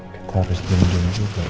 kita harus diam diam juga mbak